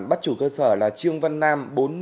bắt chủ cơ sở là trương văn nam